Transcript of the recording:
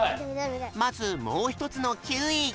まずもうひとつの９い。